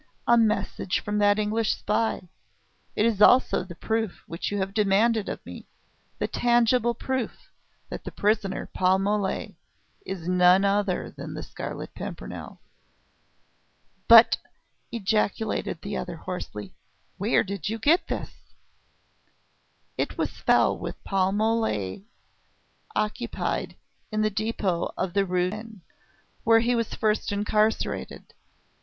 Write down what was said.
"A message from that English spy. It is also the proof which you have demanded of me the tangible proof that the prisoner, Paul Mole, is none other than the Scarlet Pimpernel." "But," ejaculated the other hoarsely, "where did you get this?" "It was found in the cell which Paul Mole occupied in the depot of the Rue de Tourraine, where he was first incarcerated.